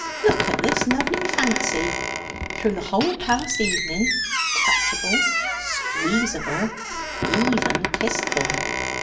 Look at this lovely Fancy! Through the whole past evening touchable, squeezeable even kissable!